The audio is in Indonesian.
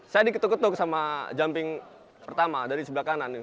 saya diketuk ketuk sama jumping pertama dari sebelah kanan